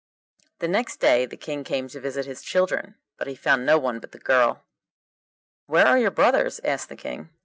The next day the King came to visit his children, but he found no one but the girl. 'Where are your brothers?' asked the King.